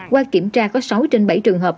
qua kiểm tra có sáu trên bảy trường hợp